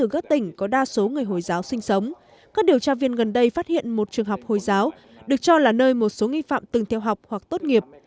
các điều tra viên gần đây phát hiện một trường học hồi giáo được cho là nơi một số nghi phạm từng theo học hoặc tốt nghiệp